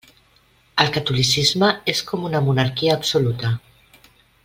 El catolicisme és com una monarquia absoluta.